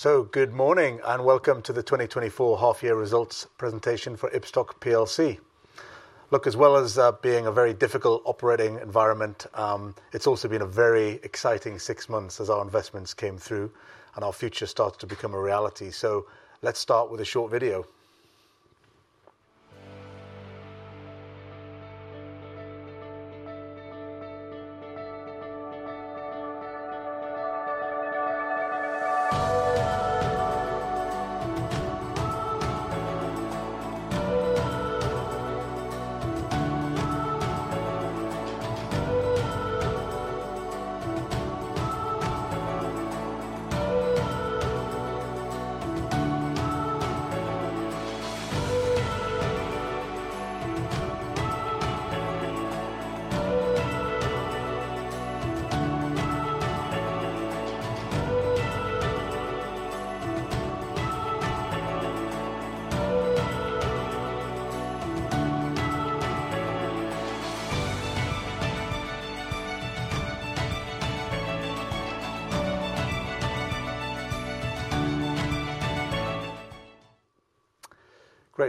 So, good morning and welcome to the 2024 half-year results presentation for Ibstock PLC. Look, as well as being a very difficult operating environment, it's also been a very exciting six months as our investments came through and our future started to become a reality. So, let's start with a short video.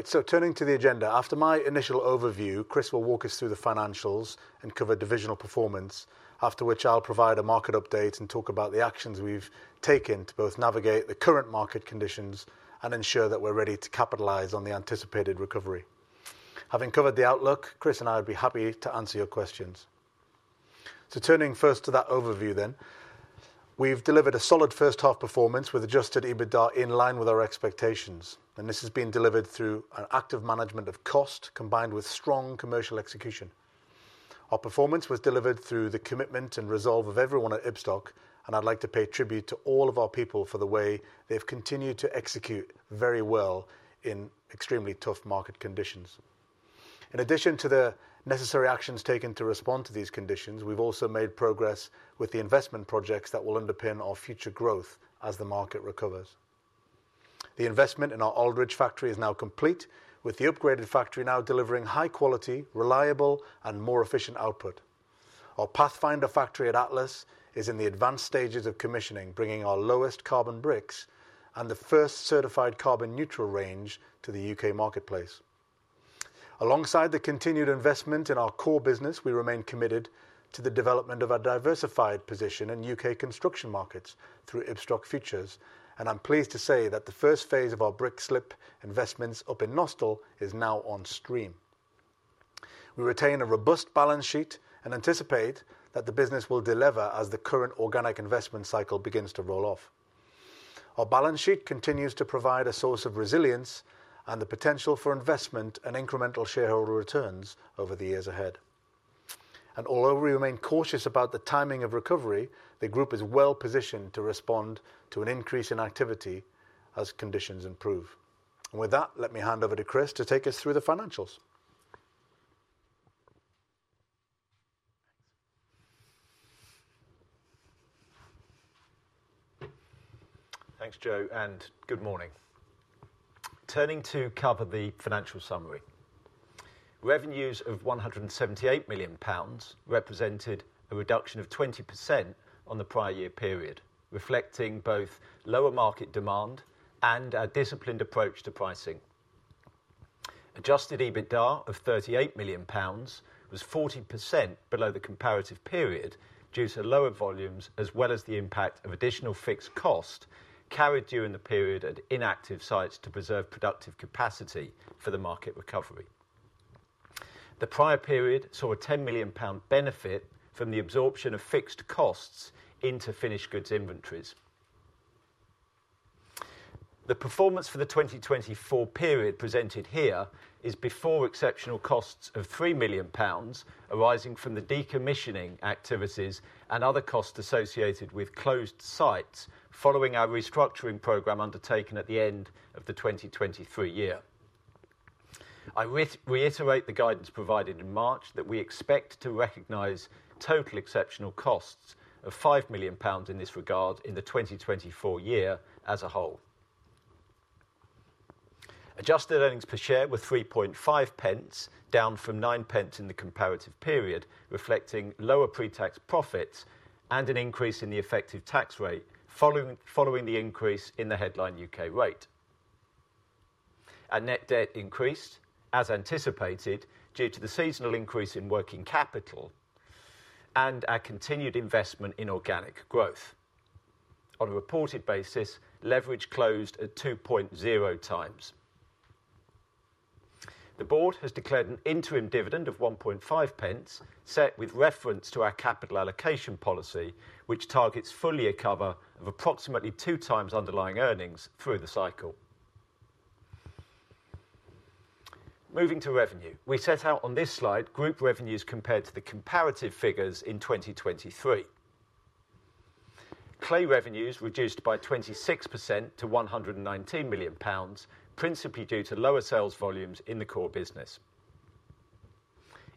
Great. So, turning to the agenda, after my initial overview, Chris will walk us through the financials and cover divisional performance, after which I'll provide a market update and talk about the actions we've taken to both navigate the current market conditions and ensure that we're ready to capitalize on the anticipated recovery. Having covered the outlook, Chris and I would be happy to answer your questions. Turning first to that overview then, we've delivered a solid first-half performance with Adjusted EBITDA in line with our expectations, and this has been delivered through an active management of cost combined with strong commercial execution. Our performance was delivered through the commitment and resolve of everyone at Ibstock, and I'd like to pay tribute to all of our people for the way they've continued to execute very well in extremely tough market conditions. In addition to the necessary actions taken to respond to these conditions, we've also made progress with the investment projects that will underpin our future growth as the market recovers. The investment in our Aldridge factory is now complete, with the upgraded factory now delivering high-quality, reliable, and more efficient output. Our Pathfinder factory at Atlas is in the advanced stages of commissioning, bringing our lowest carbon bricks and the first certified carbon-neutral range to the UK marketplace. Alongside the continued investment in our core business, we remain committed to the development of our diversified position in UK construction markets through Ibstock Futures, and I'm pleased to say that the first phase of our brick slip investments up in Nostell is now on stream. We retain a robust balance sheet and anticipate that the business will deliver as the current organic investment cycle begins to roll off. Our balance sheet continues to provide a source of resilience and the potential for investment and incremental shareholder returns over the years ahead. Although we remain cautious about the timing of recovery, the group is well positioned to respond to an increase in activity as conditions improve. With that, let me hand over to Chris to take us through the financials. Thanks, Joe, and good morning. Turning to cover the financial summary, revenues of £178 million represented a reduction of 20% on the prior year period, reflecting both lower market demand and our disciplined approach to pricing. Adjusted EBITDA of £38 million was 40% below the comparative period due to lower volumes as well as the impact of additional fixed cost carried during the period at inactive sites to preserve productive capacity for the market recovery. The prior period saw a £10 million benefit from the absorption of fixed costs into finished goods inventories. The performance for the 2024 period presented here is before exceptional costs of £3 million arising from the decommissioning activities and other costs associated with closed sites following our restructuring program undertaken at the end of the 2023 year. I reiterate the guidance provided in March that we expect to recognize total exceptional costs of £5 million in this regard in the 2024 year as a whole. Adjusted Earnings Per Share were £3.50, down from £0.09 in the comparative period, reflecting lower pre-tax profits and an increase in the effective tax rate following the increase in the headline U.K. rate. Our net debt increased, as anticipated, due to the seasonal increase in working capital and our continued investment in organic growth. On a reported basis, leverage closed at 2.0x. The board has declared an interim dividend of £1.50, set with reference to our capital allocation policy, which targets full year cover of approximately 2x underlying earnings through the cycle. Moving to revenue, we set out on this slide group revenues compared to the comparative figures in 2023. Clay revenues reduced by 26% to £119 million, principally due to lower sales volumes in the core business.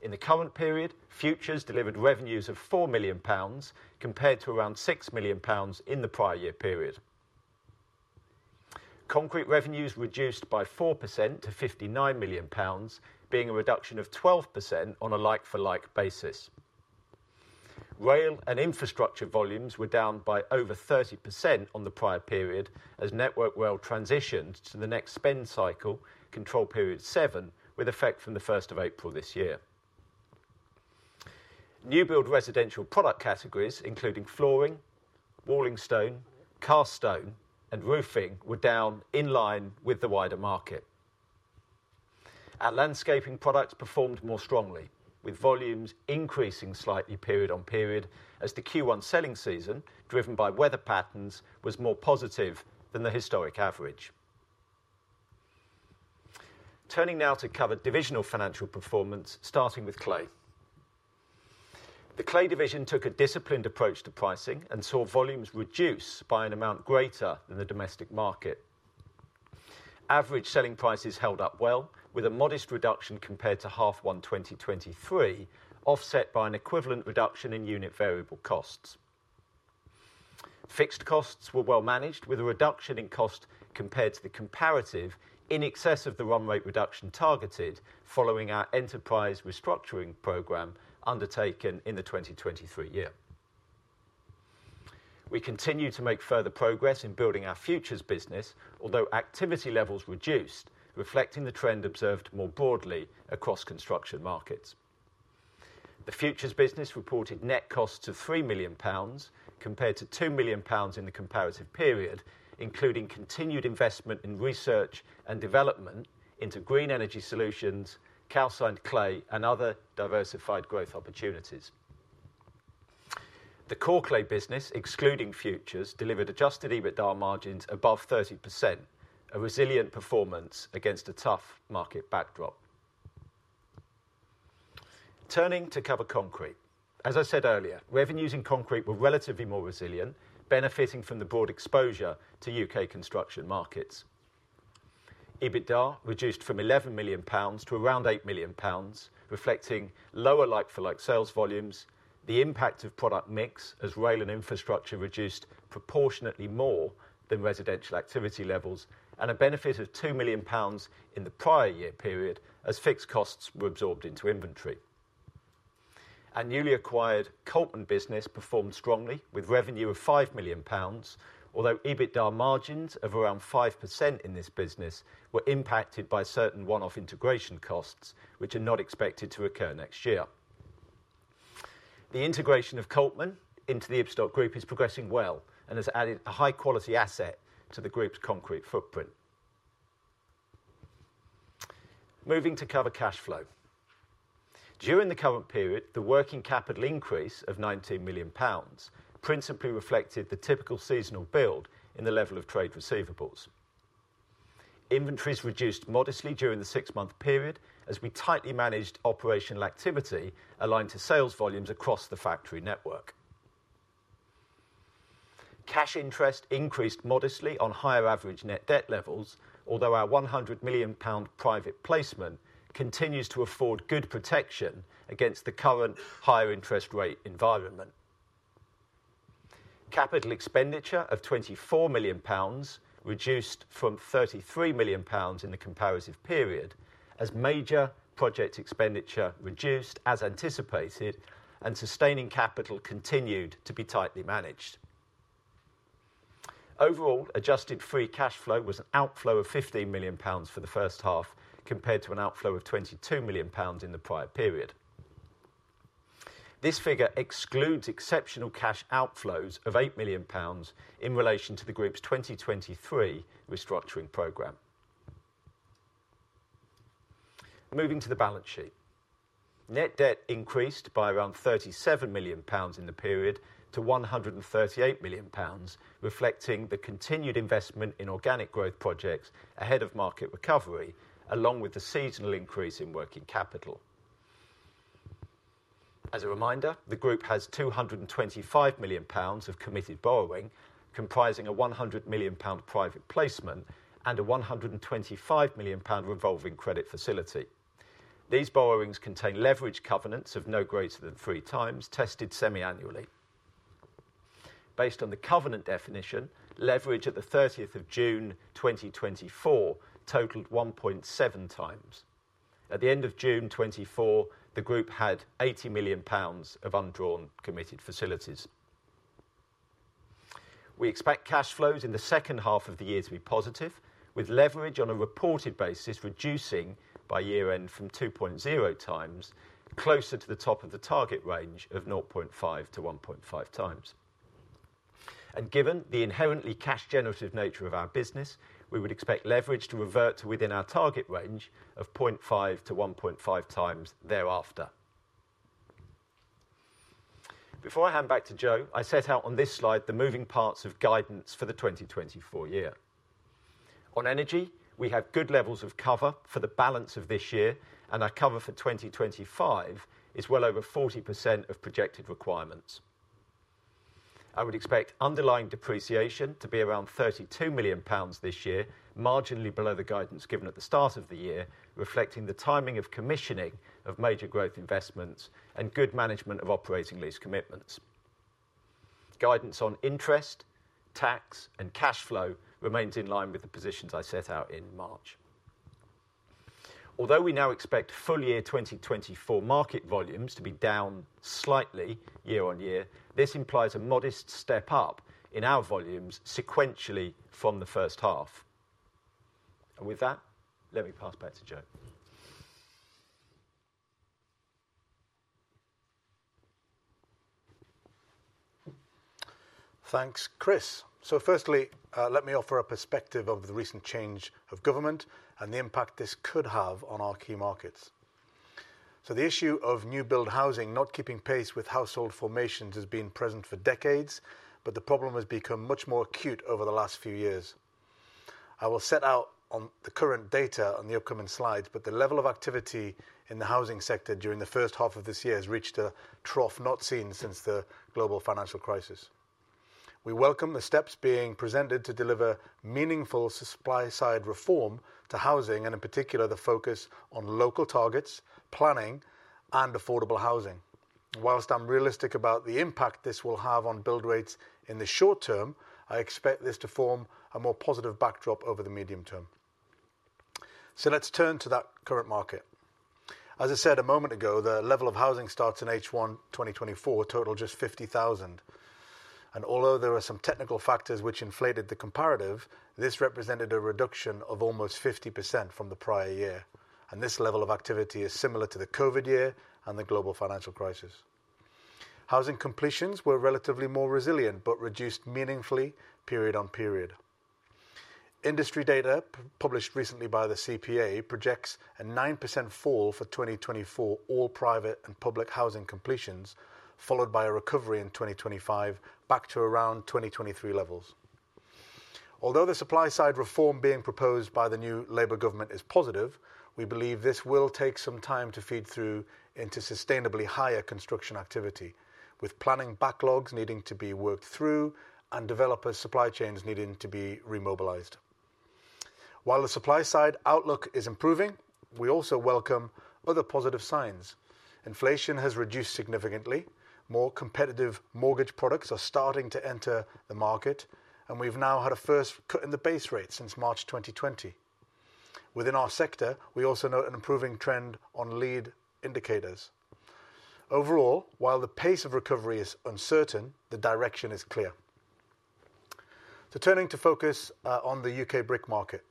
In the current period, futures delivered revenues of £4 million compared to around £6 million in the prior year period. Concrete revenues reduced by 4% to £59 million, being a reduction of 12% on a like-for-like basis. Rail and infrastructure volumes were down by over 30% on the prior period as Network Rail transitioned to the next spend cycle, Control Period 7, with effect from the 1st of April this year. New-build residential product categories, including flooring, walling stone, cast stone, and roofing, were down in line with the wider market. Our landscaping products performed more strongly, with volumes increasing slightly period-on-period as the Q1 selling season, driven by weather patterns, was more positive than the historic average. Turning now to cover divisional financial performance, starting with clay. The clay division took a disciplined approach to pricing and saw volumes reduce by an amount greater than the domestic market. Average selling prices held up well, with a modest reduction compared to H1 2023, offset by an equivalent reduction in unit variable costs. Fixed costs were well managed, with a reduction in cost compared to the comparative in excess of the run rate reduction targeted following our enterprise restructuring program undertaken in the 2023 year. We continue to make further progress in building our futures business, although activity levels reduced, reflecting the trend observed more broadly across construction markets. The futures business reported net costs of £3 million compared to £2 million in the comparative period, including continued investment in research and development into green energy solutions, calcined clay, and other diversified growth opportunities. The core clay business, excluding futures, delivered adjusted EBITDA margins above 30%, a resilient performance against a tough market backdrop. Turning to cover concrete, as I said earlier, revenues in concrete were relatively more resilient, benefiting from the broad exposure to U.K. construction markets. EBITDA reduced from 11 million pounds to around 8 million pounds, reflecting lower like-for-like sales volumes, the impact of product mix as rail and infrastructure reduced proportionately more than residential activity levels, and a benefit of 2 million pounds in the prior year period as fixed costs were absorbed into inventory. Our newly acquired Coltman business performed strongly, with revenue of 5 million pounds, although EBITDA margins of around 5% in this business were impacted by certain one-off integration costs, which are not expected to occur next year. The integration of Coltman into the Ibstock Group is progressing well and has added a high-quality asset to the group's concrete footprint. Moving to cover cash flow. During the current period, the working capital increase of 19 million pounds principally reflected the typical seasonal build in the level of trade receivables. Inventories reduced modestly during the six-month period as we tightly managed operational activity aligned to sales volumes across the factory network. Cash interest increased modestly on higher average net debt levels, although our 100 million pound private placement continues to afford good protection against the current higher interest rate environment. Capital expenditure of 24 million pounds reduced from 33 million pounds in the comparative period as major project expenditure reduced as anticipated and sustaining capital continued to be tightly managed. Overall, Adjusted Free Cash Flow was an outflow of 15 million pounds for the first half compared to an outflow of 22 million pounds in the prior period. This figure excludes exceptional cash outflows of 8 million pounds in relation to the group's 2023 restructuring program. Moving to the balance sheet, net debt increased by around 37 million pounds in the period to 138 million pounds, reflecting the continued investment in organic growth projects ahead of market recovery, along with the seasonal increase in working capital. As a reminder, the group has 225 million pounds of committed borrowing, comprising a 100 million pound private placement and a 125 million pound revolving credit facility. These borrowings contain leverage covenants of no greater than 3x, tested semi-annually. Based on the covenant definition, leverage at the 30th of June 2024 totaled 1.7x. At the end of June 2024, the group had 80 million pounds of undrawn committed facilities. We expect cash flows in the second half of the year to be positive, with leverage on a reported basis reducing by year-end from 2.0x, closer to the top of the target range of 0.5x-1.5x. Given the inherently cash-generative nature of our business, we would expect leverage to revert to within our target range of 0.5-1.5 times thereafter. Before I hand back to Joe, I set out on this slide the moving parts of guidance for the 2024 year. On energy, we have good levels of cover for the balance of this year, and our cover for 2025 is well over 40% of projected requirements. I would expect underlying depreciation to be around £32 million this year, marginally below the guidance given at the start of the year, reflecting the timing of commissioning of major growth investments and good management of operating lease commitments. Guidance on interest, tax, and cash flow remains in line with the positions I set out in March. Although we now expect full year 2024 market volumes to be down slightly year on year, this implies a modest step up in our volumes sequentially from the first half. With that, let me pass back to Joe. Thanks, Chris. So firstly, let me offer a perspective of the recent change of government and the impact this could have on our key markets. So the issue of new-build housing not keeping pace with household formations has been present for decades, but the problem has become much more acute over the last few years. I will set out the current data on the upcoming slides, but the level of activity in the housing sector during the first half of this year has reached a trough not seen since the Global Financial Crisis. We welcome the steps being presented to deliver meaningful supply-side reform to housing and, in particular, the focus on local targets, planning, and affordable housing. While I'm realistic about the impact this will have on build rates in the short term, I expect this to form a more positive backdrop over the medium term. Let's turn to that current market. As I said a moment ago, the level of housing starts in H1 2024 totaled just 50,000. Although there were some technical factors which inflated the comparative, this represented a reduction of almost 50% from the prior year. This level of activity is similar to the COVID year and the Global Financial Crisis. Housing completions were relatively more resilient but reduced meaningfully period-on-period. Industry data published recently by the CPA projects a 9% fall for 2024, all private and public housing completions, followed by a recovery in 2025 back to around 2023 levels. Although the supply-side reform being proposed by the new Labour government is positive, we believe this will take some time to feed through into sustainably higher construction activity, with planning backlogs needing to be worked through and developer supply chains needing to be remobilized. While the supply-side outlook is improving, we also welcome other positive signs. Inflation has reduced significantly. More competitive mortgage products are starting to enter the market, and we've now had a first cut in the base rate since March 2020. Within our sector, we also note an improving trend on lead indicators. Overall, while the pace of recovery is uncertain, the direction is clear. So turning to focus on the U.K. brick market.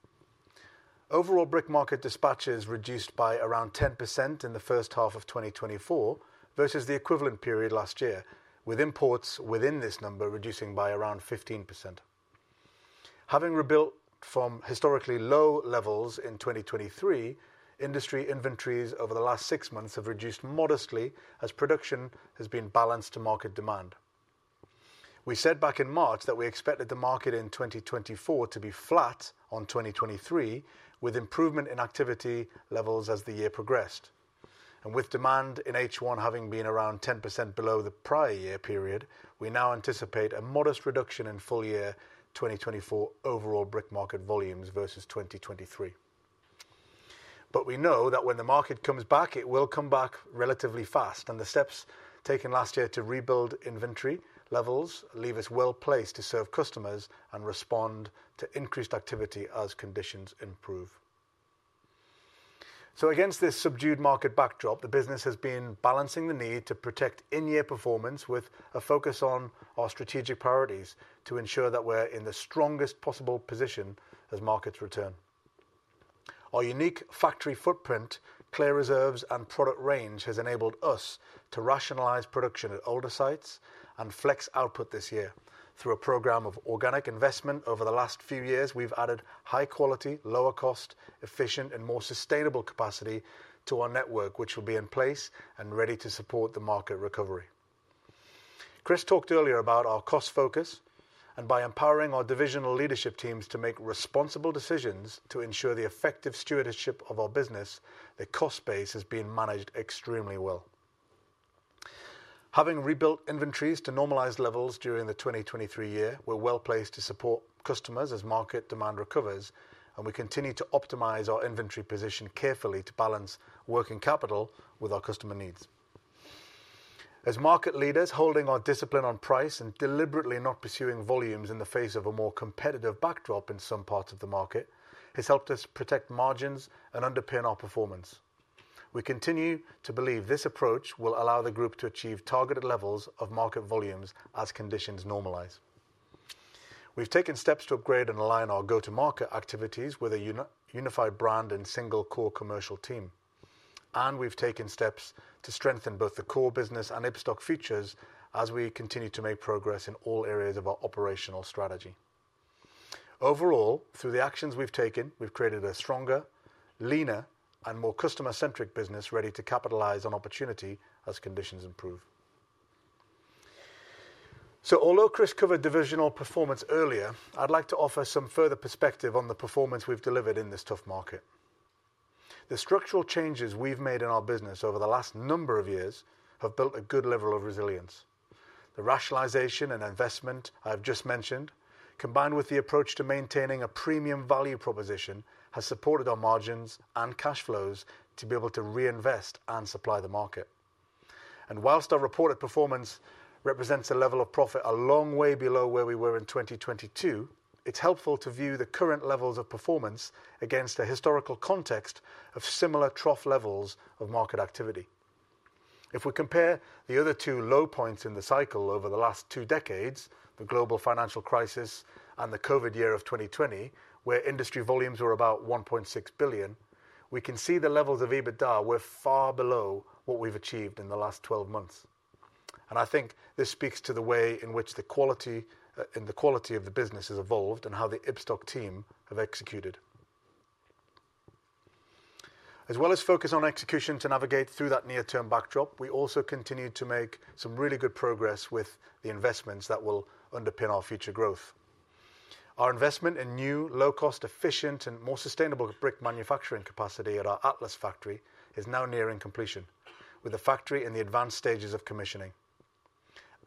Overall, brick market dispatches reduced by around 10% in the first half of 2024 versus the equivalent period last year, with imports within this number reducing by around 15%. Having rebuilt from historically low levels in 2023, industry inventories over the last six months have reduced modestly as production has been balanced to market demand. We said back in March that we expected the market in 2024 to be flat on 2023, with improvement in activity levels as the year progressed. And with demand in H1 having been around 10% below the prior year period, we now anticipate a modest reduction in full year 2024 overall brick market volumes versus 2023. But we know that when the market comes back, it will come back relatively fast, and the steps taken last year to rebuild inventory levels leave us well placed to serve customers and respond to increased activity as conditions improve. So against this subdued market backdrop, the business has been balancing the need to protect in-year performance with a focus on our strategic priorities to ensure that we're in the strongest possible position as markets return. Our unique factory footprint, clay reserves, and product range has enabled us to rationalize production at older sites and flex output this year. Through a program of organic investment over the last few years, we've added high-quality, lower-cost, efficient, and more sustainable capacity to our network, which will be in place and ready to support the market recovery. Chris talked earlier about our cost focus, and by empowering our divisional leadership teams to make responsible decisions to ensure the effective stewardship of our business, the cost base has been managed extremely well. Having rebuilt inventories to normalize levels during the 2023 year, we're well placed to support customers as market demand recovers, and we continue to optimize our inventory position carefully to balance working capital with our customer needs. As market leaders, holding our discipline on price and deliberately not pursuing volumes in the face of a more competitive backdrop in some parts of the market has helped us protect margins and underpin our performance. We continue to believe this approach will allow the group to achieve targeted levels of market volumes as conditions normalize. We've taken steps to upgrade and align our go-to-market activities with a unified brand and single core commercial team, and we've taken steps to strengthen both the core business and Ibstock Futures as we continue to make progress in all areas of our operational strategy. Overall, through the actions we've taken, we've created a stronger, leaner, and more customer-centric business ready to capitalize on opportunity as conditions improve. Although Chris covered divisional performance earlier, I'd like to offer some further perspective on the performance we've delivered in this tough market. The structural changes we've made in our business over the last number of years have built a good level of resilience. The rationalization and investment I've just mentioned, combined with the approach to maintaining a premium value proposition, has supported our margins and cash flows to be able to reinvest and supply the market. While our reported performance represents a level of profit a long way below where we were in 2022, it's helpful to view the current levels of performance against a historical context of similar trough levels of market activity. If we compare the other two low points in the cycle over the last two decades, the Global Financial Crisis and the COVID year of 2020, where industry volumes were about 1.6 billion, we can see the levels of EBITDA were far below what we've achieved in the last 12 months. I think this speaks to the way in which the quality of the business has evolved and how the Ibstock team have executed. As well as focus on execution to navigate through that near-term backdrop, we also continue to make some really good progress with the investments that will underpin our future growth. Our investment in new, low-cost, efficient, and more sustainable brick manufacturing capacity at our Atlas factory is now nearing completion, with the factory in the advanced stages of commissioning.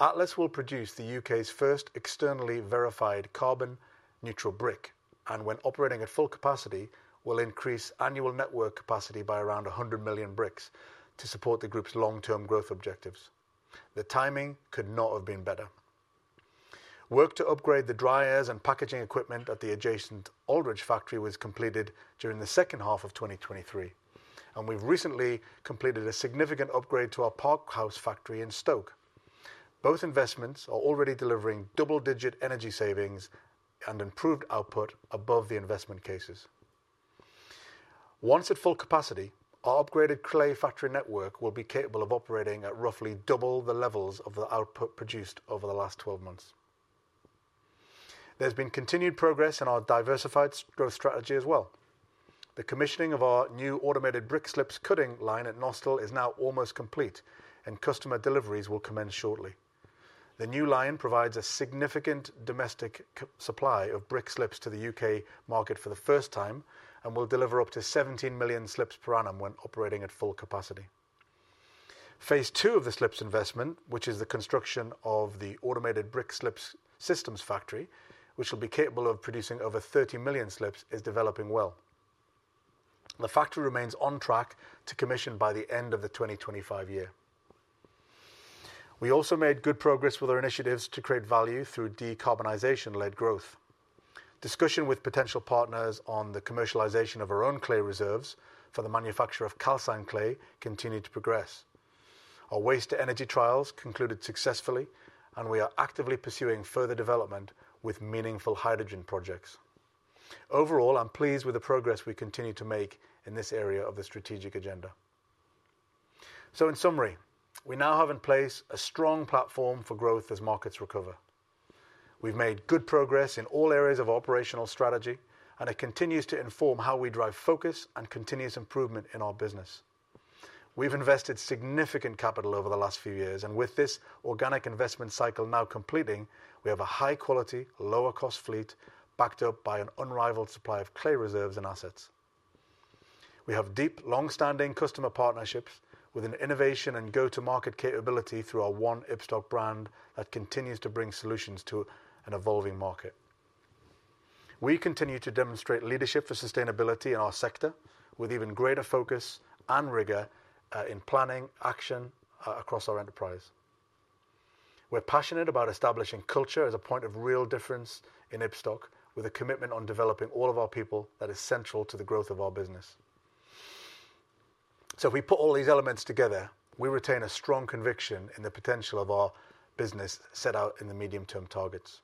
Atlas will produce the UK's first externally verified carbon-neutral brick and, when operating at full capacity, will increase annual network capacity by around 100 million bricks to support the group's long-term growth objectives. The timing could not have been better. Work to upgrade the dryers and packaging equipment at the adjacent Aldridge factory was completed during the second half of 2023, and we've recently completed a significant upgrade to our Parkhouse factory in Stoke. Both investments are already delivering double-digit energy savings and improved output above the investment cases. Once at full capacity, our upgraded clay factory network will be capable of operating at roughly double the levels of the output produced over the last 12 months. There's been continued progress in our diversified growth strategy as well. The commissioning of our new automated brick slips cutting line at Nostell is now almost complete, and customer deliveries will commence shortly. The new line provides a significant domestic supply of brick slips to the UK market for the first time and will deliver up to 17 million slips per annum when operating at full capacity. Phase two of the slips investment, which is the construction of the automated brick slips systems factory, which will be capable of producing over 30 million slips, is developing well. The factory remains on track to commission by the end of the 2025 year. We also made good progress with our initiatives to create value through decarbonization-led growth. Discussion with potential partners on the commercialization of our own clay reserves for the manufacture of calcined clay continued to progress. Our waste-to-energy trials concluded successfully, and we are actively pursuing further development with meaningful hydrogen projects. Overall, I'm pleased with the progress we continue to make in this area of the strategic agenda. So in summary, we now have in place a strong platform for growth as markets recover. We've made good progress in all areas of operational strategy, and it continues to inform how we drive focus and continuous improvement in our business. We've invested significant capital over the last few years, and with this organic investment cycle now completing, we have a high-quality, lower-cost fleet backed up by an unrivaled supply of clay reserves and assets. We have deep, long-standing customer partnerships with an innovation and go-to-market capability through our One Ibstock brand that continues to bring solutions to an evolving market. We continue to demonstrate leadership for sustainability in our sector with even greater focus and rigor in planning action across our enterprise. We're passionate about establishing culture as a point of real difference in Ibstock, with a commitment on developing all of our people that is central to the growth of our business. So if we put all these elements together, we retain a strong conviction in the potential of our business set out in the medium-term targets.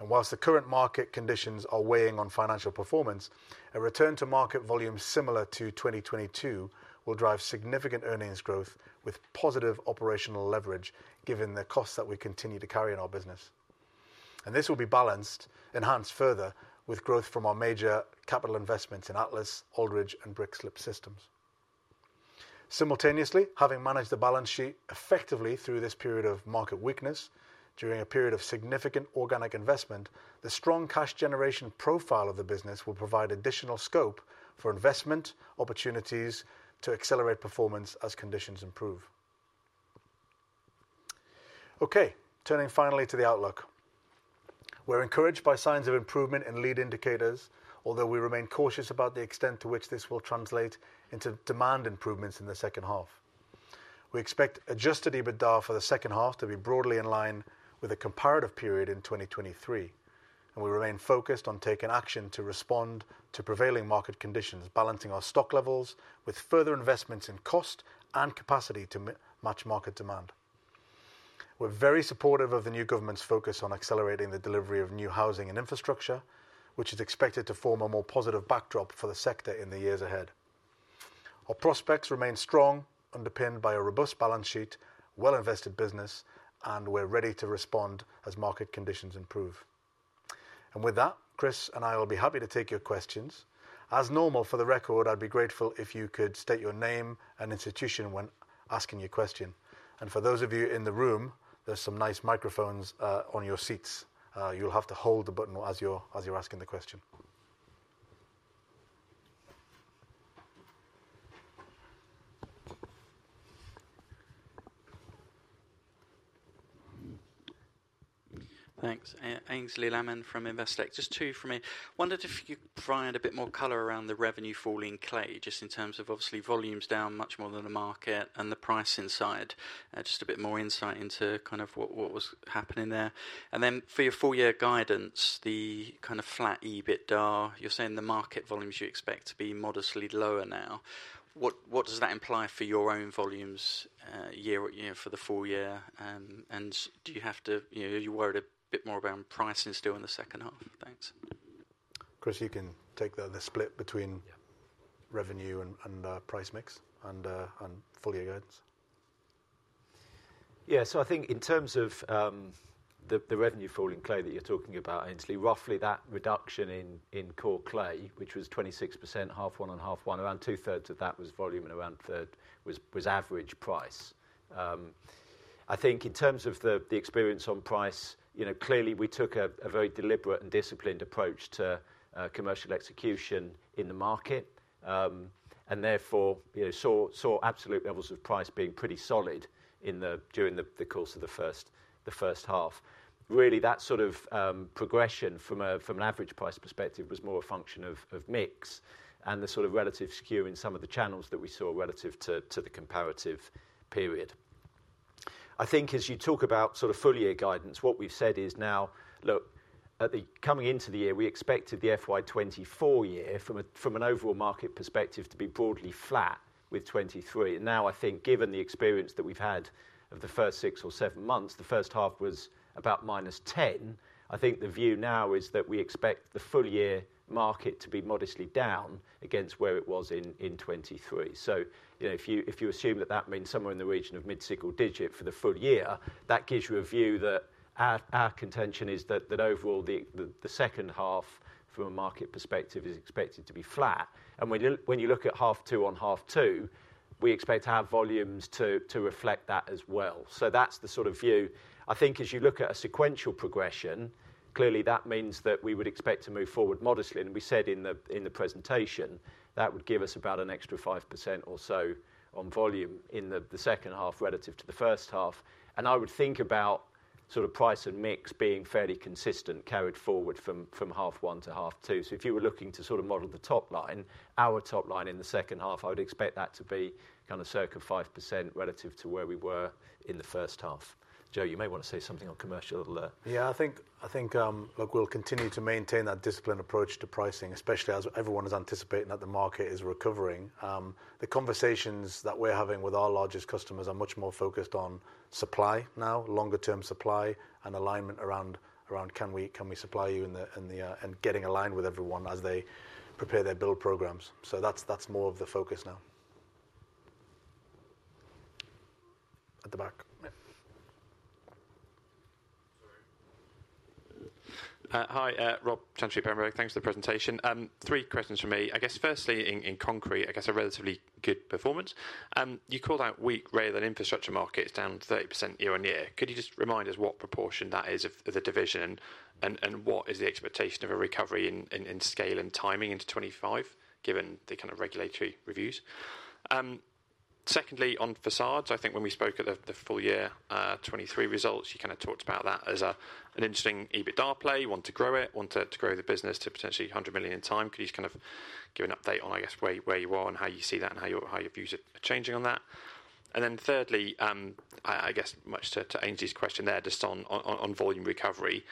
While the current market conditions are weighing on financial performance, a return-to-market volume similar to 2022 will drive significant earnings growth with positive operational leverage given the costs that we continue to carry in our business. This will be balanced, enhanced further with growth from our major capital investments in Atlas, Aldridge, and Brick Slip Systems. Simultaneously, having managed the balance sheet effectively through this period of market weakness during a period of significant organic investment, the strong cash generation profile of the business will provide additional scope for investment opportunities to accelerate performance as conditions improve. Okay, turning finally to the outlook. We're encouraged by signs of improvement in lead indicators, although we remain cautious about the extent to which this will translate into demand improvements in the second half. We expect Adjusted EBITDA for the second half to be broadly in line with a comparative period in 2023, and we remain focused on taking action to respond to prevailing market conditions, balancing our stock levels with further investments in cost and capacity to match market demand. We're very supportive of the new government's focus on accelerating the delivery of new housing and infrastructure, which is expected to form a more positive backdrop for the sector in the years ahead. Our prospects remain strong, underpinned by a robust balance sheet, well-invested business, and we're ready to respond as market conditions improve. With that, Chris and I will be happy to take your questions. As normal, for the record, I'd be grateful if you could state your name and institution when asking your question. And for those of you in the room, there's some nice microphones on your seats. You'll have to hold the button as you're asking the question. Thanks. Ainsley Lammin from Investec. Just two from me. Wondered if you could provide a bit more color around the revenue from clay, just in terms of obviously volumes down much more than the market and the price side. Just a bit more insight into kind of what was happening there. And then for your full-year guidance, the kind of flat EBITDA, you're saying the market volumes you expect to be modestly lower now. What does that imply for your own volumes year for the full year? And do you have to, are you worried a bit more around pricing still in the second half? Thanks. Chris, you can take the split between revenue and price mix and full-year guidance. Yeah, so I think in terms of the revenue falling clay that you're talking about, Ainsley, roughly that reduction in core clay, which was 26%, half one and half one, around 2/3 of that was volume and around 1/3 was average price. I think in terms of the experience on price, clearly we took a very deliberate and disciplined approach to commercial execution in the market and therefore saw absolute levels of price being pretty solid during the course of the first half. Really, that sort of progression from an average price perspective was more a function of mix and the sort of relative skew in some of the channels that we saw relative to the comparative period. I think as you talk about sort of full-year guidance, what we've said is now, look, coming into the year, we expected the FY 2024 year from an overall market perspective to be broadly flat with 2023. Now, I think given the experience that we've had of the first six or seven months, the first half was about -10%. I think the view now is that we expect the full-year market to be modestly down against where it was in 2023. So if you assume that that means somewhere in the region of mid-single digit for the full year, that gives you a view that our contention is that overall the second half from a market perspective is expected to be flat. And when you look at half two on half two, we expect to have volumes to reflect that as well. So that's the sort of view. I think as you look at a sequential progression, clearly that means that we would expect to move forward modestly. And we said in the presentation that would give us about an extra 5% or so on volume in the second half relative to the first half. And I would think about sort of price and mix being fairly consistent carried forward from half one to half two. So if you were looking to sort of model the top line, our top line in the second half, I would expect that to be kind of circa 5% relative to where we were in the first half. Joe, you may want to say something on commercial. Yeah, I think, look, we'll continue to maintain that disciplined approach to pricing, especially as everyone is anticipating that the market is recovering. The conversations that we're having with our largest customers are much more focused on supply now, longer-term supply and alignment around can we supply you and getting aligned with everyone as they prepare their build programs. So that's more of the focus now. At the back. Hi, Rob from Peel Hunt. Thanks for the presentation. Three questions for me. I guess firstly, in concrete, I guess a relatively good performance. You called out weak rail and infrastructure markets down 30% year-on-year. Could you just remind us what proportion that is of the division and what is the expectation of a recovery in scale and timing into 2025, given the kind of regulatory reviews? Secondly, on facades, I think when we spoke at the full-year 2023 results, you kind of talked about that as an interesting EBITDA play. You want to grow it, want to grow the business to potentially 100 million in time. Could you just kind of give an update on, I guess, where you are and how you see that and how your views are changing on that? And then thirdly, I guess much to Ainsley's question there, just on volume recovery,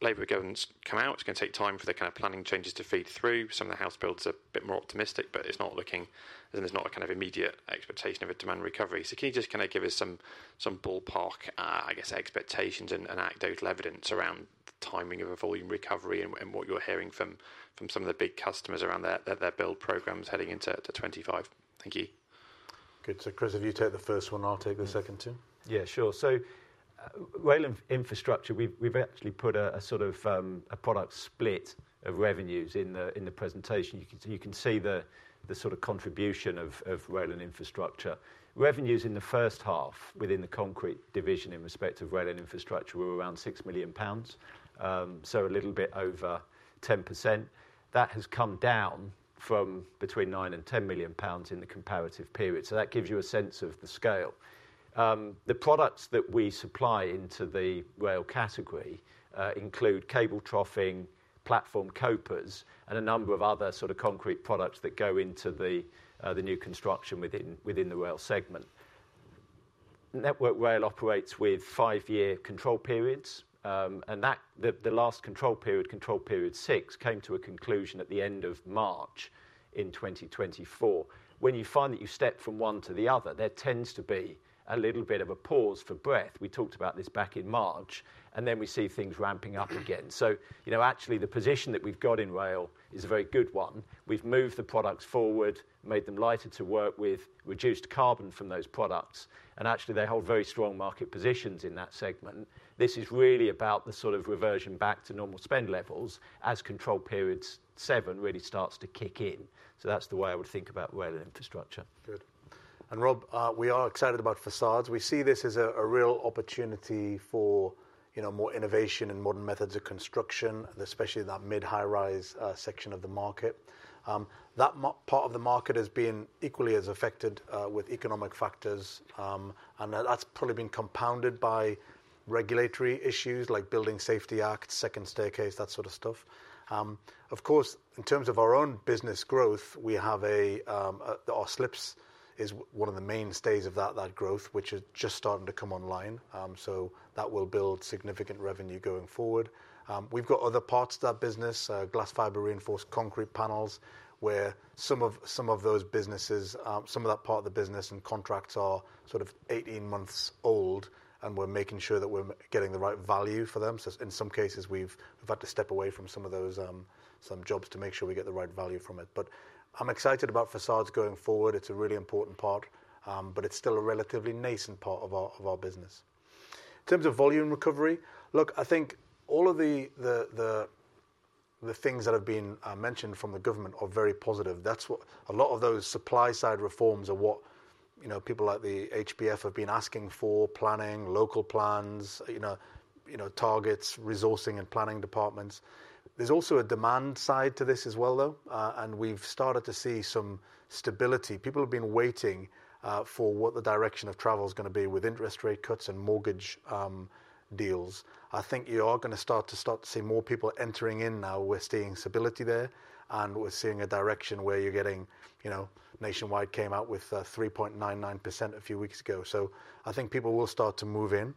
Labour governments come out. It's going to take time for the kind of planning changes to feed through. Some of the house builds are a bit more optimistic, but it's not looking, and there's not a kind of immediate expectation of a demand recovery. So can you just kind of give us some ballpark, I guess, expectations and anecdotal evidence around the timing of a volume recovery and what you're hearing from some of the big customers around their build programs heading into 25? Thank you. Good. So Chris, if you take the first one, I'll take the second too. Yeah, sure. So rail infrastructure, we've actually put a sort of a product split of revenues in the presentation. You can see the sort of contribution of rail and infrastructure. Revenues in the first half within the concrete division in respect of rail and infrastructure were around 6 million pounds, so a little bit over 10%. That has come down from between £9 and £10 million in the comparative period. So that gives you a sense of the scale. The products that we supply into the rail category include cable troughing, platform copers, and a number of other sort of concrete products that go into the new construction within the rail segment. Network Rail operates with five-year control periods, and the last control period, Control Period 6, came to a conclusion at the end of March in 2024. When you find that you step from one to the other, there tends to be a little bit of a pause for breath. We talked about this back in March, and then we see things ramping up again. So actually, the position that we've got in rail is a very good one. We've moved the products forward, made them lighter to work with, reduced carbon from those products, and actually, they hold very strong market positions in that segment. This is really about the sort of reversion back to normal spend levels as Control Period 7 really starts to kick in. So that's the way I would think about rail and infrastructure. Good. And Rob, we are excited about facades. We see this as a real opportunity for more innovation and modern methods of construction, especially that mid-high-rise section of the market. That part of the market has been equally as affected with economic factors, and that's probably been compounded by regulatory issues like Building Safety Act, second staircase, that sort of stuff. Of course, in terms of our own business growth, we have our slips is one of the mainstays of that growth, which is just starting to come online. So that will build significant revenue going forward. We've got other parts of that business, glass fiber reinforced concrete panels, where some of those businesses, some of that part of the business and contracts are sort of 18 months old, and we're making sure that we're getting the right value for them. So in some cases, we've had to step away from some of those jobs to make sure we get the right value from it. But I'm excited about facades going forward. It's a really important part, but it's still a relatively nascent part of our business. In terms of volume recovery, look, I think all of the things that have been mentioned from the government are very positive. A lot of those supply-side reforms are what people like the HBF have been asking for, planning, local plans, targets, resourcing, and planning departments. There's also a demand side to this as well, though, and we've started to see some stability. People have been waiting for what the direction of travel is going to be with interest rate cuts and mortgage deals. I think you are going to start to see more people entering in now. We're seeing stability there, and we're seeing a direction where you're getting Nationwide came out with 3.99% a few weeks ago. So I think people will start to move in.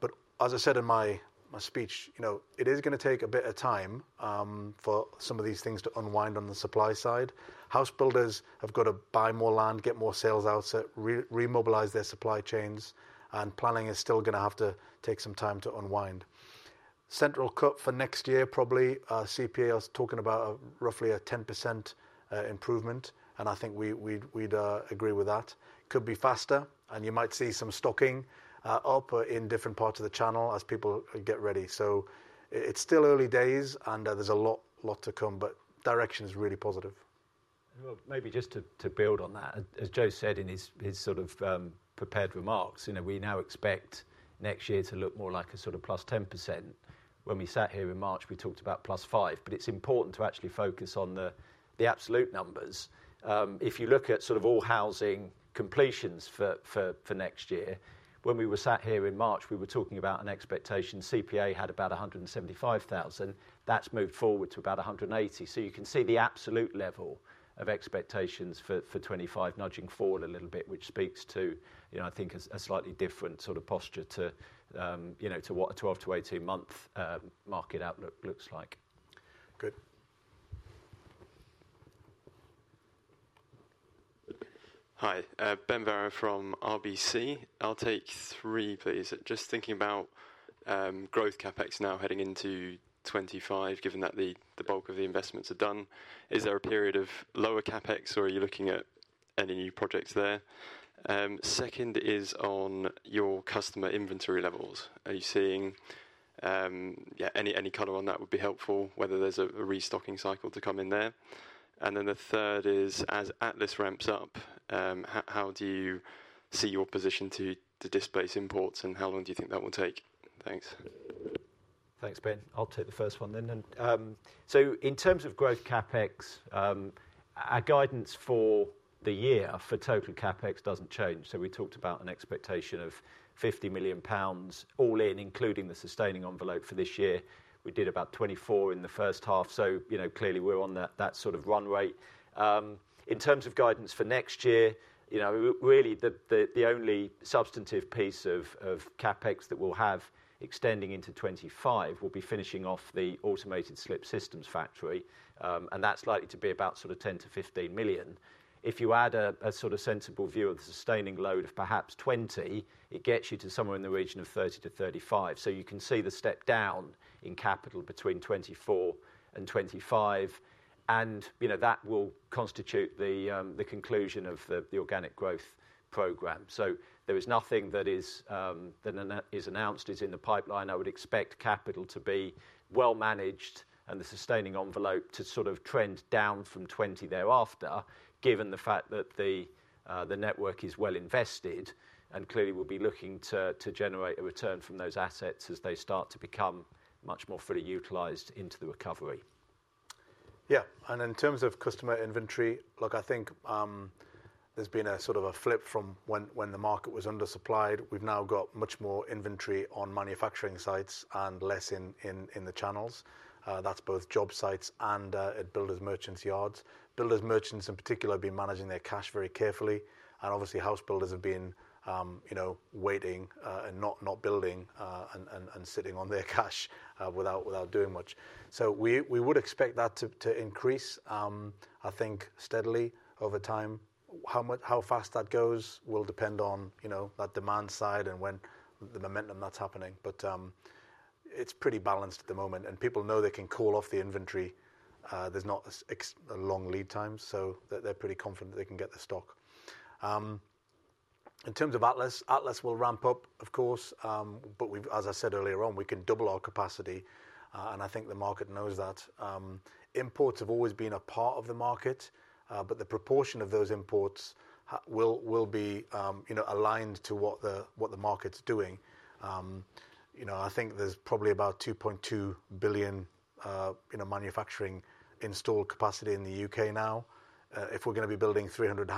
But as I said in my speech, it is going to take a bit of time for some of these things to unwind on the supply side. House builders have got to buy more land, get more sales out, remobilize their supply chains, and planning is still going to have to take some time to unwind. Central cut for next year, probably CPA is talking about roughly a 10% improvement, and I think we'd agree with that. Could be faster, and you might see some stocking up in different parts of the channel as people get ready. So it's still early days, and there's a lot to come, but direction is really positive. Maybe just to build on that, as Joe said in his sort of prepared remarks, we now expect next year to look more like a sort of +10%. When we sat here in March, we talked about +5, but it's important to actually focus on the absolute numbers. If you look at sort of all housing completions for next year, when we were sat here in March, we were talking about an expectation CPA had about 175,000. That's moved forward to about 180,000. So you can see the absolute level of expectations for 2025 nudging forward a little bit, which speaks to, I think, a slightly different sort of posture to what a 12-18-month market outlook looks like. Good. Hi, Ben Heelan from RBC. I'll take three, please. Just thinking about growth CapEx now heading into 2025, given that the bulk of the investments are done. Is there a period of lower CapEx, or are you looking at any new projects there? Second is on your customer inventory levels. Are you seeing any color on that? That would be helpful, whether there's a restocking cycle to come in there? And then the third is, as Atlas ramps up, how do you see your position to displace imports, and how long do you think that will take? Thanks. Thanks, Ben. I'll take the first one then. In terms of growth CapEx, our guidance for the year for total CapEx doesn't change. So we talked about an expectation of £50 million all in, including the sustaining envelope for this year. We did about £24 million in the first half. So clearly, we're on that sort of run rate. In terms of guidance for next year, really the only substantive piece of CapEx that we'll have extending into 2025 will be finishing off the automated slip systems factory, and that's likely to be about sort of £10-15 million. If you add a sort of sensible view of the sustaining load of perhaps £20 million, it gets you to somewhere in the region of £30-35 million. So you can see the step down in capital between 2024 and 2025, and that will constitute the conclusion of the organic growth program. So there is nothing that is announced is in the pipeline. I would expect capital to be well managed and the sustaining envelope to sort of trend down from 20 thereafter, given the fact that the network is well invested and clearly will be looking to generate a return from those assets as they start to become much more fully utilized into the recovery. Yeah. And in terms of customer inventory, look, I think there's been a sort of a flip from when the market was undersupplied. We've now got much more inventory on manufacturing sites and less in the channels. That's both job sites and at builders' merchants' yards. Builders' merchants in particular have been managing their cash very carefully, and obviously, house builders have been waiting and not building and sitting on their cash without doing much. So we would expect that to increase, I think, steadily over time. How fast that goes will depend on that demand side and the momentum that's happening, but it's pretty balanced at the moment, and people know they can call off the inventory. There's not a long lead time, so they're pretty confident that they can get the stock. In terms of Atlas, Atlas will ramp up, of course, but as I said earlier on, we can double our capacity, and I think the market knows that. Imports have always been a part of the market, but the proportion of those imports will be aligned to what the market's doing. I think there's probably about 2.2 billion manufacturing installed capacity in the UK now. If we're going to be building 300,000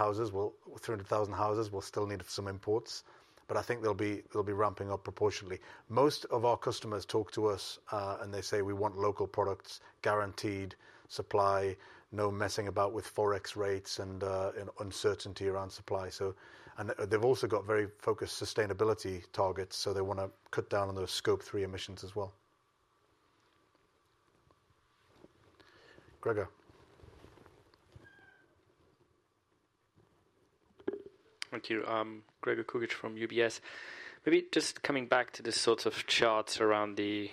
houses, we'll still need some imports, but I think they'll be ramping up proportionately. Most of our customers talk to us, and they say, "We want local products, guaranteed supply, no messing about with Forex rates and uncertainty around supply." And they've also got very focused sustainability targets, so they want to cut down on those Scope 3 emissions as well. Gregor. Thank you. Gregor Kuglitsch from UBS. Maybe just coming back to the sort of charts around the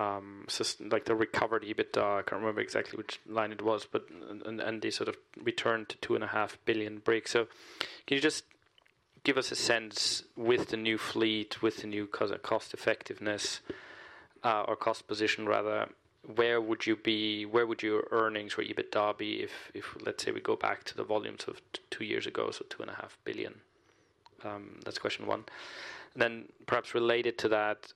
recovered EBITDA, I can't remember exactly which line it was, and the sort of return to 2.5 billion bricks. So can you just give us a sense with the new fleet, with the new cost-effectiveness or cost position, rather, where would you be? Where would your earnings for EBITDA be if, let's say, we go back to the volumes of two years ago, so 2.5 billion? That's question one. Then perhaps related to that,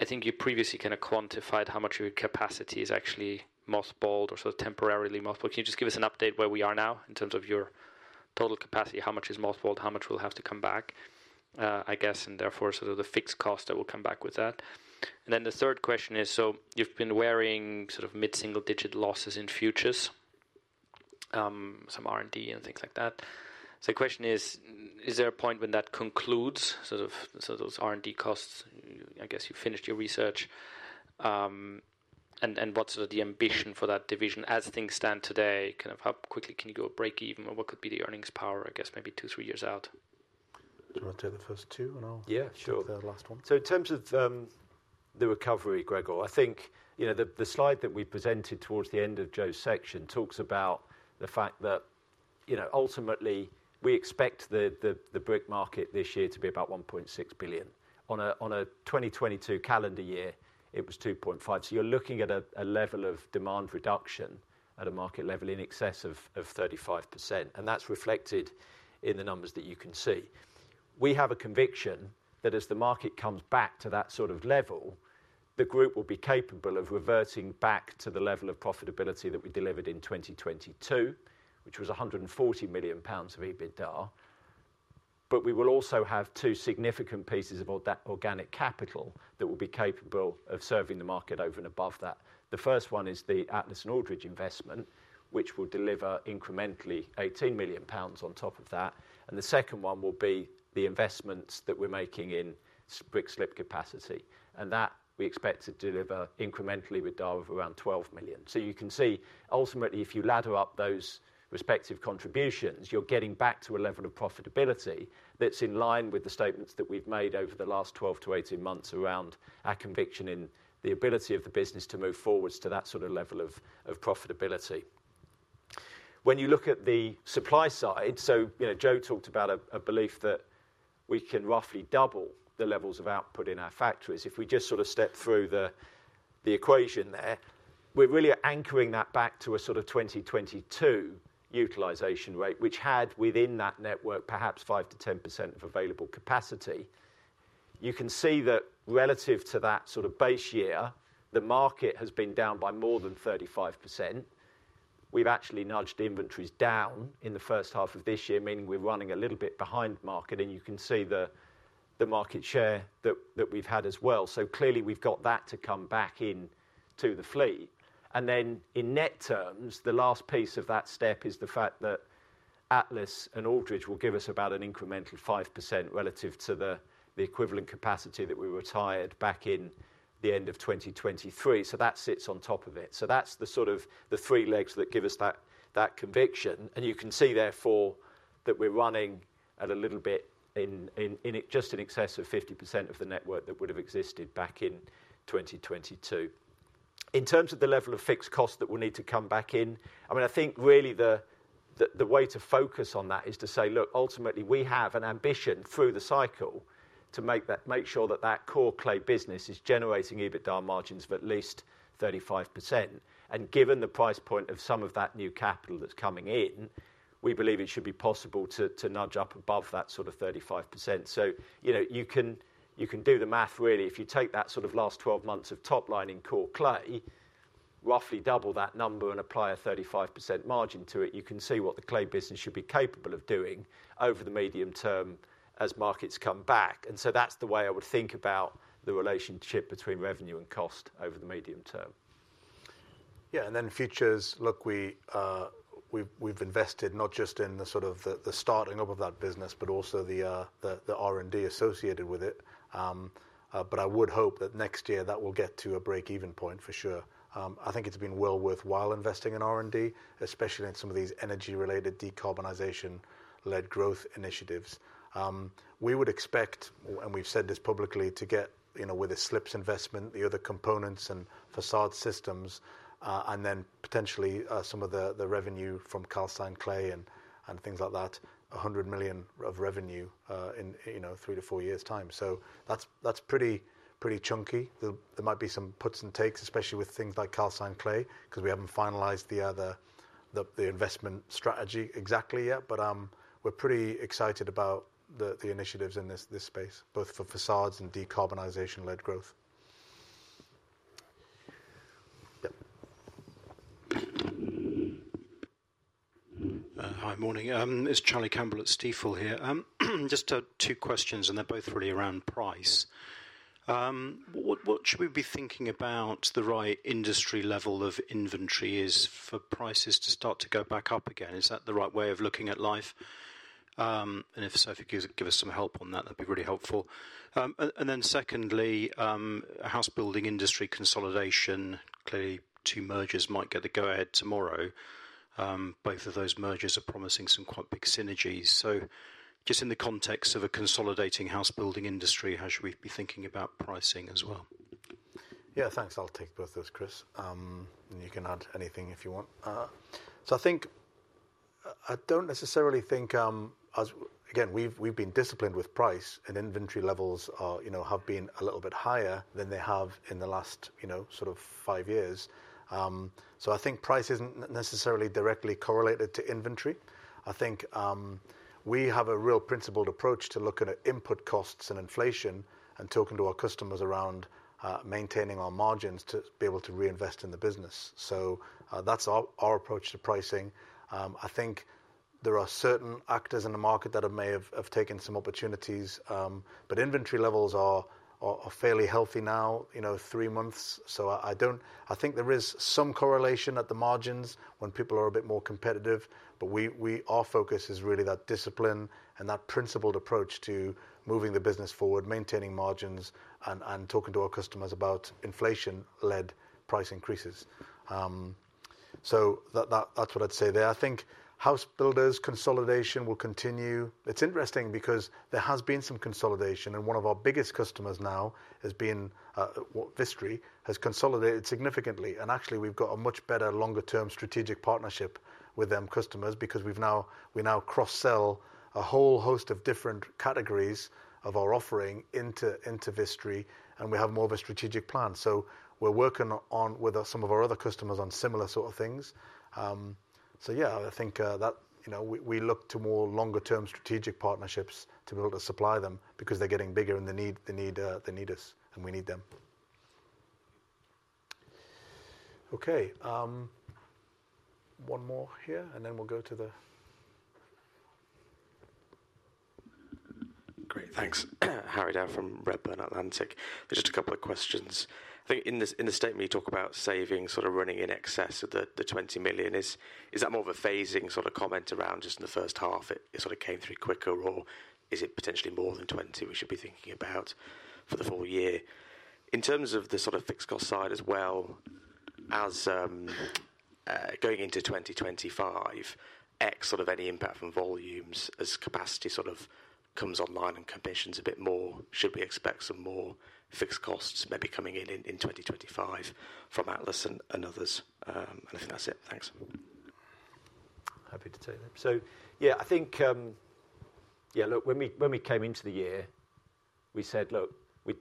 I think you previously kind of quantified how much of your capacity is actually mothballed or sort of temporarily mothballed. Can you just give us an update where we are now in terms of your total capacity? How much is mothballed? How much will have to come back, I guess, and therefore sort of the fixed cost that will come back with that? And then the third question is, so you've been wearing sort of mid-single-digit losses in futures, some R&D and things like that. So the question is, is there a point when that concludes, sort of those R&D costs? I guess you finished your research. And what's sort of the ambition for that division as things stand today? Kind of how quickly can you go break even? What could be the earnings power, I guess, maybe 2, 3 years out? Do you want to take the first two or no? Yeah, sure. The last one. So in terms of the recovery, Gregor, I think the slide that we presented towards the end of Joe's section talks about the fact that ultimately we expect the brick market this year to be about 1.6 billion. On a 2022 calendar year, it was 2.5. So you're looking at a level of demand reduction at a market level in excess of 35%, and that's reflected in the numbers that you can see. We have a conviction that as the market comes back to that sort of level, the group will be capable of reverting back to the level of profitability that we delivered in 2022, which was £140 million of EBITDA. But we will also have two significant pieces of organic capital that will be capable of serving the market over and above that. The first one is the Atlas and Aldridge investment, which will deliver incrementally 18 million pounds on top of that. The second one will be the investments that we're making in brick slip capacity. And that we expect to deliver incrementally with DAR of around 12 million. So you can see ultimately, if you ladder up those respective contributions, you're getting back to a level of profitability that's in line with the statements that we've made over the last 12-18 months around our conviction in the ability of the business to move forwards to that sort of level of profitability. When you look at the supply side, so Joe talked about a belief that we can roughly double the levels of output in our factories if we just sort of step through the equation there. We're really anchoring that back to a sort of 2022 utilization rate, which had within that network perhaps 5%-10% of available capacity. You can see that relative to that sort of base year, the market has been down by more than 35%. We've actually nudged inventories down in the first half of this year, meaning we're running a little bit behind market, and you can see the market share that we've had as well. So clearly, we've got that to come back into the fleet. And then in net terms, the last piece of that step is the fact that Atlas and Aldridge will give us about an incremental 5% relative to the equivalent capacity that we retired back in the end of 2023. So that sits on top of it. So that's the sort of the three legs that give us that conviction. You can see therefore that we're running at a little bit in just in excess of 50% of the network that would have existed back in 2022. In terms of the level of fixed cost that will need to come back in, I mean, I think really the way to focus on that is to say, "Look, ultimately, we have an ambition through the cycle to make sure that that core clay business is generating EBITDA margins of at least 35%." And given the price point of some of that new capital that's coming in, we believe it should be possible to nudge up above that sort of 35%. So you can do the math, really. If you take that sort of last 12 months of top line in core clay, roughly double that number and apply a 35% margin to it, you can see what the clay business should be capable of doing over the medium term as markets come back. And so that's the way I would think about the relationship between revenue and cost over the medium term. Yeah. And then futures, look, we've invested not just in the sort of the starting up of that business, but also the R&D associated with it. But I would hope that next year that will get to a break-even point for sure. I think it's been well worthwhile investing in R&D, especially in some of these energy-related decarbonization-led growth initiatives. We would expect, and we've said this publicly, to get with a slips investment, the other components and facade systems, and then potentially some of the revenue from calcined clay and things like that, 100 million of revenue in 3-4 years' time. So that's pretty chunky. There might be some puts and takes, especially with things like calcined clay, because we haven't finalized the investment strategy exactly yet, but we're pretty excited about the initiatives in this space, both for facades and decarbonization-led growth. Hi, morning. It's Charlie Campbell at Stifel here. Just two questions, and they're both really around price. What should we be thinking about the right industry level of inventory is for prices to start to go back up again? Is that the right way of looking at life? And if so, if you could give us some help on that, that'd be really helpful. And then secondly, house building industry consolidation, clearly two mergers might get the go-ahead tomorrow. Both of those mergers are promising some quite big synergies. So just in the context of a consolidating house building industry, how should we be thinking about pricing as well? Yeah, thanks. I'll take both those, Chris. And you can add anything if you want. So I don't necessarily think, again, we've been disciplined with price, and inventory levels have been a little bit higher than they have in the last sort of five years. So I think price isn't necessarily directly correlated to inventory. I think we have a real principled approach to looking at input costs and inflation and talking to our customers around maintaining our margins to be able to reinvest in the business. So that's our approach to pricing. I think there are certain actors in the market that may have taken some opportunities, but inventory levels are fairly healthy now, three months. So I think there is some correlation at the margins when people are a bit more competitive, but our focus is really that discipline and that principled approach to moving the business forward, maintaining margins, and talking to our customers about inflation-led price increases. So that's what I'd say there. I think house builders' consolidation will continue. It's interesting because there has been some consolidation, and one of our biggest customers now has been Vistry, has consolidated significantly. Actually, we've got a much better longer-term strategic partnership with them customers because we now cross-sell a whole host of different categories of our offering into Vistry, and we have more of a strategic plan. So we're working with some of our other customers on similar sort of things. So yeah, I think that we look to more longer-term strategic partnerships to be able to supply them because they're getting bigger and they need us, and we need them. Okay. One more here, and then we'll go to the. Great. Thanks. Harriet from Redburn Atlantic. Just a couple of questions. I think in the statement, you talk about savings sort of running in excess of 20 million. Is that more of a phasing sort of comment around just in the first half? It sort of came through quicker, or is it potentially more than 20 we should be thinking about for the full year? In terms of the sort of fixed cost side as well, as going into 2025, ex sort of any impact from volumes as capacity sort of comes online and commissions a bit more, should we expect some more fixed costs maybe coming in in 2025 from Atlas and others? I think that's it. Thanks. Happy to take that. So yeah, I think, yeah, look, when we came into the year, we said, "Look,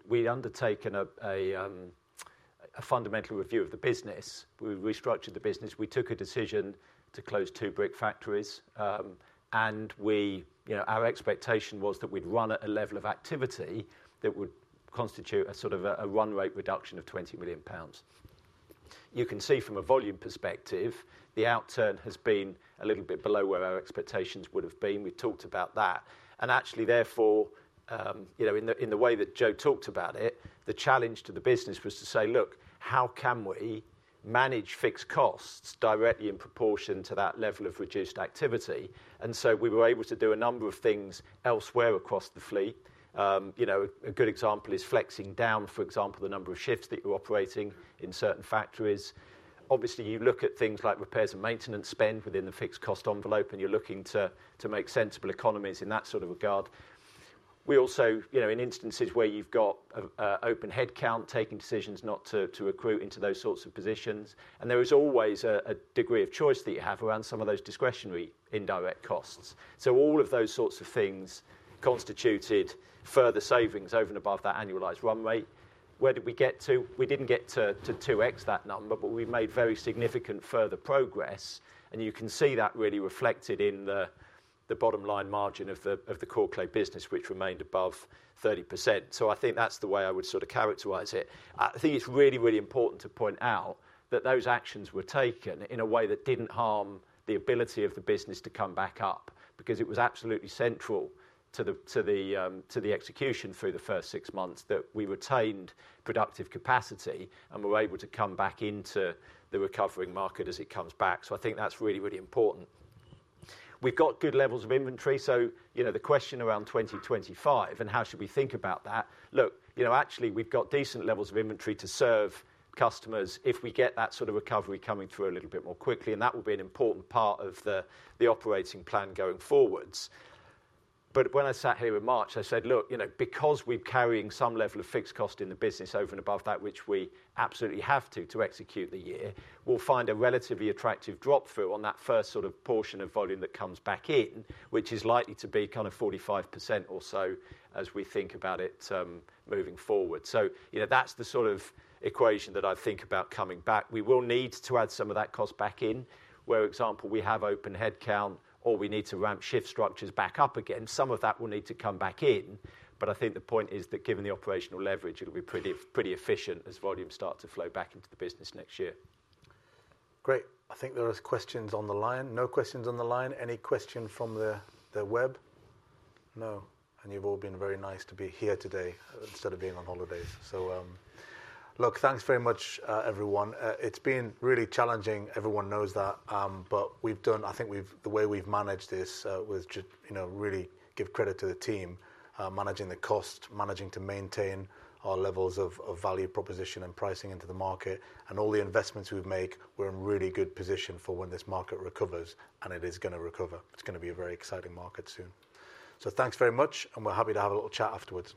we'd undertaken a fundamental review of the business. We restructured the business. We took a decision to close two brick factories. And our expectation was that we'd run at a level of activity that would constitute a sort of a run rate reduction of 20 million pounds." You can see from a volume perspective, the outturn has been a little bit below where our expectations would have been. We've talked about that. And actually, therefore, in the way that Joe talked about it, the challenge to the business was to say, "Look, how can we manage fixed costs directly in proportion to that level of reduced activity?" And so we were able to do a number of things elsewhere across the fleet. A good example is flexing down, for example, the number of shifts that you're operating in certain factories. Obviously, you look at things like repairs and maintenance spend within the fixed cost envelope, and you're looking to make sensible economies in that sort of regard. We also, in instances where you've got open headcount, taking decisions not to recruit into those sorts of positions. And there is always a degree of choice that you have around some of those discretionary indirect costs. So all of those sorts of things constituted further savings over and above that annualized run rate. Where did we get to? We didn't get to 2x that number, but we made very significant further progress. You can see that really reflected in the bottom line margin of the core clay business, which remained above 30%. So I think that's the way I would sort of characterize it. I think it's really, really important to point out that those actions were taken in a way that didn't harm the ability of the business to come back up because it was absolutely central to the execution through the first six months that we retained productive capacity and were able to come back into the recovering market as it comes back. So I think that's really, really important. We've got good levels of inventory. So the question around 2025 and how should we think about that? Look, actually, we've got decent levels of inventory to serve customers if we get that sort of recovery coming through a little bit more quickly. And that will be an important part of the operating plan going forwards. But when I sat here in March, I said, "Look, because we're carrying some level of fixed cost in the business over and above that, which we absolutely have to to execute the year, we'll find a relatively attractive drop through on that first sort of portion of volume that comes back in, which is likely to be kind of 45% or so as we think about it moving forward." So that's the sort of equation that I think about coming back. We will need to add some of that cost back in. Where, for example, we have open headcount, or we need to ramp shift structures back up again, some of that will need to come back in. But I think the point is that given the operational leverage, it'll be pretty efficient as volumes start to flow back into the business next year. Great. I think there are questions on the line. No questions on the line. Any question from the web? No. And you've all been very nice to be here today instead of being on holidays. So look, thanks very much, everyone. It's been really challenging, everyone knows that. But I think the way we've managed this was to really give credit to the team managing the cost, managing to maintain our levels of value proposition and pricing into the market. All the investments we've made, we're in really good position for when this market recovers, and it is going to recover. It's going to be a very exciting market soon. Thanks very much, and we're happy to have a little chat afterwards.